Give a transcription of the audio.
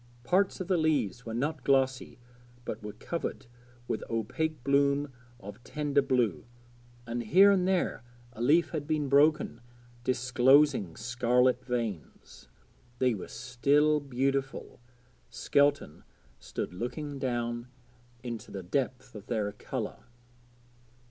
Parts of the leaves were not glossy but were covered with opaque bloom of tender blue, and here and there a leaf had been broken, disclosing scarlet veins. They were very beautiful Skelton stood looking down into their depth of colour.